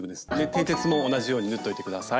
てい鉄も同じように縫っといて下さい。